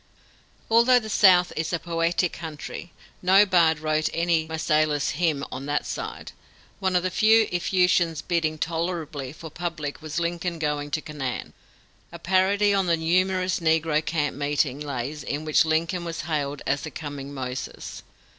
Although the South is a poetic country, no bard wrote any "Marseillaise Hymn" on that side. One of the few effusions bidding tolerably for publicity was "Lincoln Going to Canaan," a parody on the numerous negro camp meeting lays in which Lincoln was hailed as the coming Moses.